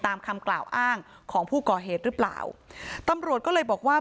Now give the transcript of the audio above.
ตามคำกล่าวอ้างของผู้ก่อเหตุหรือเปล่าตำรวจก็เลยบอกว่า